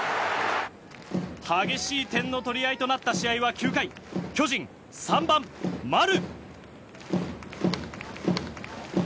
激しい点の取り合いとなった試合は９回巨人、３番、丸。